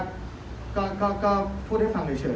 อาการบัดเจ็บเป็นเรื่องจริง